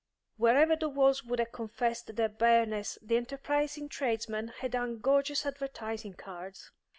Wherever the walls would have confessed their bareness the enterprising tradesman had hung gorgeous advertising cards.